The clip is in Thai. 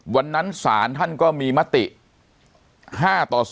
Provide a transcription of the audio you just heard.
วันนั้นศาลท่านก็มีมติ๕ต่อ๒